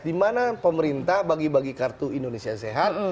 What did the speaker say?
di mana pemerintah bagi bagi kartu indonesia sehat